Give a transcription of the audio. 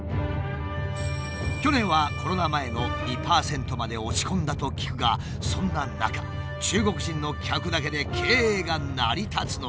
去年はコロナ前の２％まで落ち込んだと聞くがそんな中中国人の客だけで経営が成り立つのか？